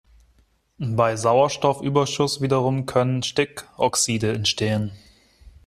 Bei Sauerstoffüberschuss wiederum können Stickoxide entstehen.